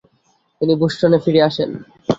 তিনি বোস্টনে ফিরে আসেন।